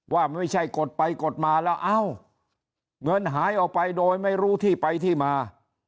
ว่าไม่ใช่กดไปกดมาแล้วเอ้าเงินหายออกไปโดยไม่รู้ที่ไปที่มา